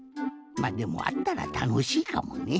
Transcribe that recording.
まっでもあったらたのしいかもね。